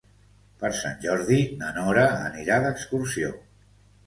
Per Sant Jordi na Nora anirà d'excursió.